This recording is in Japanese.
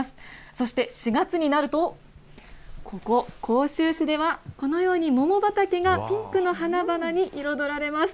そして４月になると、ここ、甲州市では、このように桃畑がピンクの花々に彩られます。